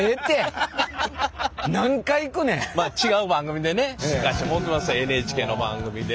まあ違う番組でね行かせてもろてますわＮＨＫの番組で。